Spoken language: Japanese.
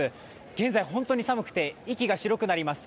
現在、本当に寒くて息が白くなります。